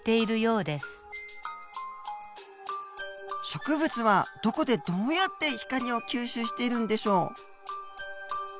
植物はどこでどうやって光を吸収しているんでしょう？